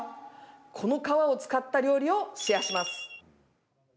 この皮を使った料理をシェアします。